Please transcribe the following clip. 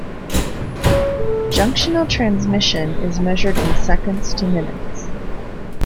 Junctional transmission is measured in seconds to minutes.